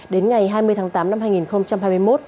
đến ngày hai mươi tháng tám năm hai nghìn hai mươi một